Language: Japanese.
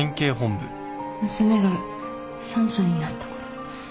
娘が３歳になった頃。